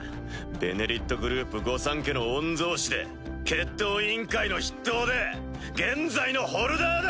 「ベネリット」グループ御三家の御曹司で決闘委員会の筆頭で現在のホルダーだ！